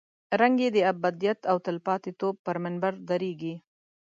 رنګ یې د ابدیت او تلپاتې توب پر منبر درېږي.